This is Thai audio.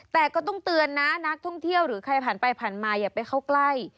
แต่ก็ต้องเตือนนะนักท่องเที่ยวหรือใครผ่านไปผ่านมาอย่าไปเข้าใกล้